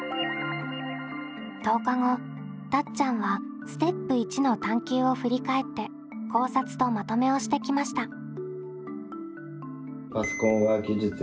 １０日後たっちゃんはステップ①の探究を振り返って考察とまとめをしてきました。